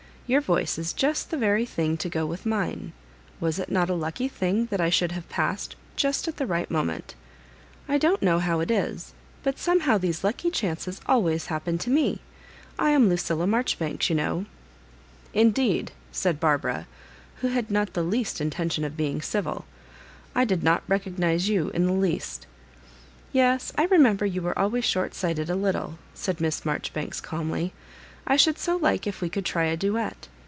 Your voice is just the very thing to go with mine ; was it not a lucky thing that I should have passed just at the right moment? I don't know how it is, but somehow these lud^ chances always happen to me. I am Lucilla Maijoribanks, you know. "Indeed I" said Barbara, who had not the least intention of being civil, " I did not recog nise you in the least." " Yes, I remember you were always shortsight ed a little," said Miss Maijoribanks, calmly. " I should so like if we could try a duet.